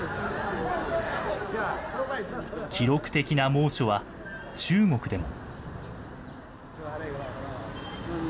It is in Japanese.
記録的な猛暑は、中国でも。